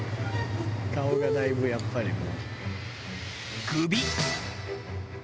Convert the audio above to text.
「顔がだいぶやっぱりもう」グビッ！